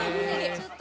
ちょっと。